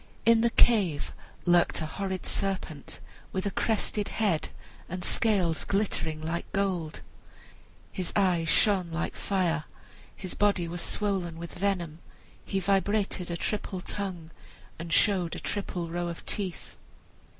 In the cave lurked a horrid serpent with a crested head and scales glittering like gold. His eyes shone like fire, his body was swollen with venom, he vibrated a triple tongue, and showed a triple row of teeth.